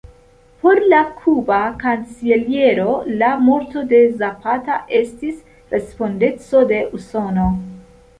Por la kuba kanceliero, la morto de Zapata estis respondeco de Usono.